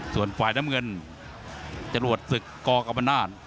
ส่วนฝ่ายน้ำเงินจรวดศึกกกรรมนาศ